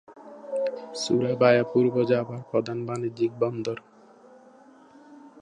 সুরাবায়া পূর্ব জাভার প্রধান বাণিজ্যিক বন্দর।